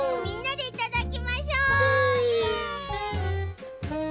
みんなでいただきましょ！